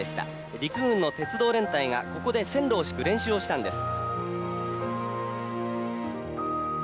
陸軍の鉄道連隊がここで線路を敷く練習をしたんです。